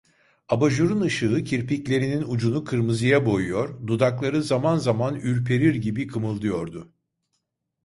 Abajurun ışığı kirpiklerinin ucunu kırmızıya boyuyor, dudakları zaman zaman ürperir gibi kımıldıyordu.